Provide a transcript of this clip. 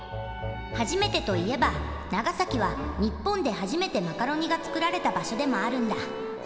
はじめてといえば長崎は日本ではじめてマカロニがつくられたばしょでもあるんだ。